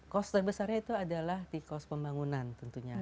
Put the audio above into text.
cost terbesarnya itu adalah di cost pembangunan tentunya